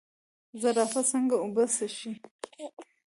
زرافه څنګه اوبه څښي؟